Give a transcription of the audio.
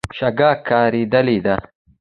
شګه کارېدلې ده.